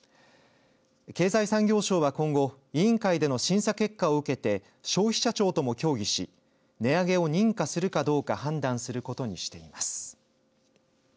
経済産業省は今後委員会での審査結果を受けて消費者庁とも協議し値上げを認可するかどうか判断することにしています。